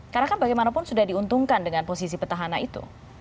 karena kan bagaimanapun sudah diuntungkan dengan posisi petahana itu